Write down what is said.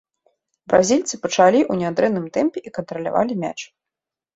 Бразільцы пачалі ў нядрэнным тэмпе і кантралявалі мяч.